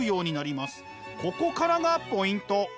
ここからがポイント。